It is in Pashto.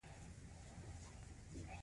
دا ځای د شاهي کورنۍ د بندیانو لپاره و.